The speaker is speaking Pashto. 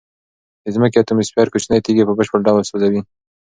د ځمکې اتموسفیر کوچنۍ تیږې په بشپړ ډول سوځوي.